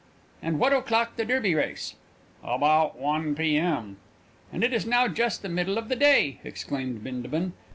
"And what o'clock the Derby race?" "About one P.M." "And it is now just the middle of the day!" exclaimed Bindabun.